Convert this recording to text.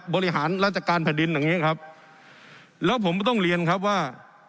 บริหารราชการแผ่นดินอย่างนี้ครับแล้วผมต้องเรียนครับว่า